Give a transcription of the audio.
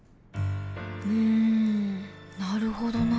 うんなるほどな。